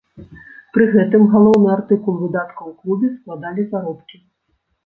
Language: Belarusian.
Пры гэтым галоўны артыкул выдаткаў у клубе складалі заробкі.